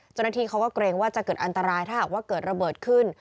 เจ้าหน้าที่เขาก็เกรงว่าจะเกิดอันตรายถ้าหากว่าเกิดระเบิดขึ้น